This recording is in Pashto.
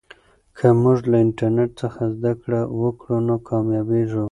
که موږ له انټرنیټ څخه زده کړه وکړو نو کامیابېږو.